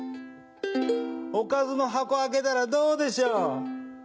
おかずの箱開けたら、どうでしょう？